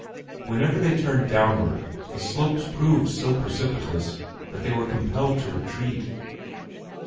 Whenever they turned downward the slopes proved so precipitous that they were compelled to retreat.